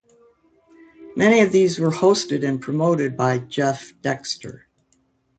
Many of these were hosted and promoted by Jeff Dexter.